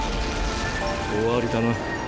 終わりだな。